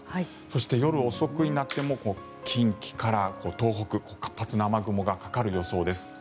そして、夜遅くになっても近畿から東北活発な雨雲がかかる予想です。